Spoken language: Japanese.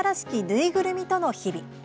ぬいぐるみとの日々」。